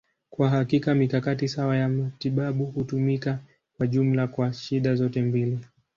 Kwa hakika, mikakati sawa ya matibabu hutumika kwa jumla kwa shida zote mbili.